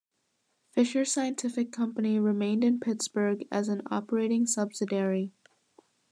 Fisher Scientific Company remained in Pittsburgh as an operating subsidiary.